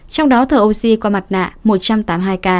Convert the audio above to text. trong đó thở oxy qua mặt nạ một trăm tám mươi hai k